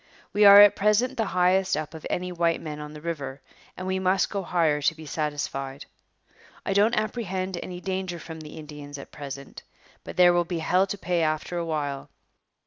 We are at present the highest up of any white men on the river, and we must go higher to be satisfied. I don't apprehend any danger from the Indians at present, but there will be hell to pay after a while.